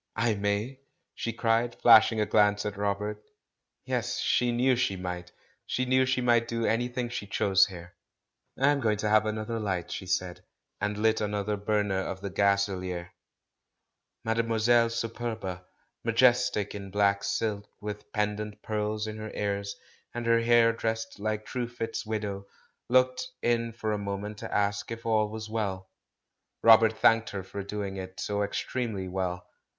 "I may?" she cried, flashing a glance at Rob ert. Yes, she knew she might! She knew she might do anything she chose there. "I'm going to have more light!" she said, and lit another burner of the gaselier. Mademoiselle Superba — majestic in black silk, with pendent pearls in her ears, and her hair dressed like Truefitt's window — looked in for a moment to ask if all was well. Robert thanked her for doing it so extremely well.